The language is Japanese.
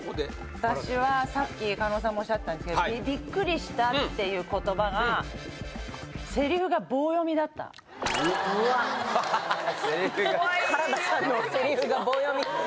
私はさっき狩野さんもおっしゃってたんですけどびっくりしたっていう言葉がセリフが棒読みだったうわっセリフが怖い言われたくない